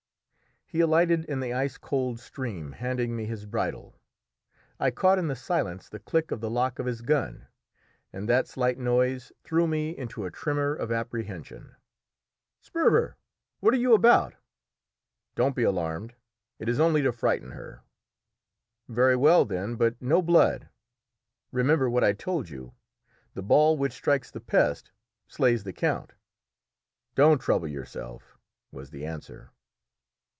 He alighted in the ice cold stream, handing me his bridle. I caught in the silence the click of the lock of his gun, and that slight noise threw me into a tremor of apprehension. "Sperver, what are you about?" "Don't be alarmed; it is only to frighten her." "Very well, then, but no blood. Remember what I told you the ball which strikes the Pest slays the count!" "Don't trouble yourself," was the answer.